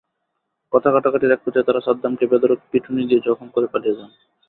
কথা-কাটাকাটির একপর্যায়ে তাঁরা সাদ্দামকে বেধড়ক পিটুনি দিয়ে জখম করে পালিয়ে যান।